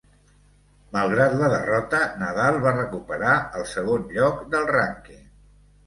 Malgrat la derrota, Nadal va recuperar el segon lloc del rànquing.